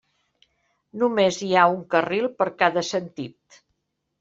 Només hi ha un carril per cada sentit.